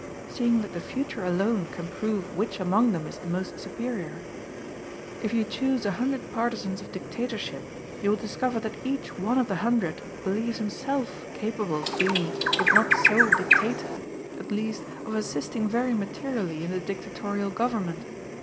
Seeing that the future alone can prove which among them is the must superior. If you choose a hundred partisans of dictatorship, you will discover that each one of the hundred believes himself capable of being, if not sole dictator, at least of assisting very materially in the dictatorial government.